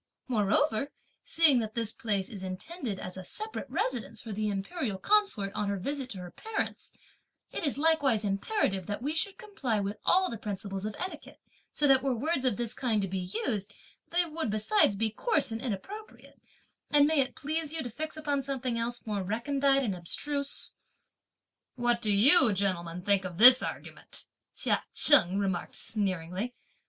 Moreover, seeing that this place is intended as a separate residence (for the imperial consort), on her visit to her parents, it is likewise imperative that we should comply with all the principles of etiquette, so that were words of this kind to be used, they would besides be coarse and inappropriate; and may it please you to fix upon something else more recondite and abstruse." "What do you, gentlemen, think of this argument?" Chia Cheng remarked sneeringly.